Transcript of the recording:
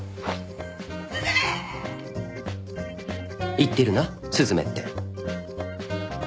言ってるな「雀」って。